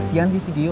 kesian sih si gio